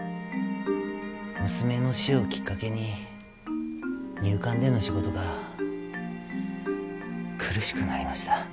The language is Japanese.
娘の死をきっかけに入管での仕事が苦しくなりました。